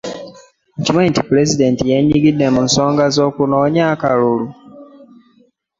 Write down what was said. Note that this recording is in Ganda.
Okimanyi nti pulezidenti yenyigide mu nsonga z'okunoonya akalulu .